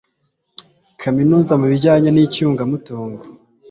kaminuza mu bijyanye n icyungamutungo